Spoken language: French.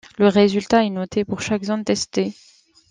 Le résultat est noté pour chaque zone testée.